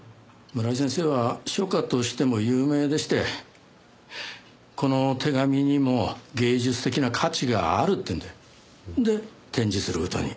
村井先生は書家としても有名でしてこの手紙にも芸術的な価値があるっていうんで展示する事に。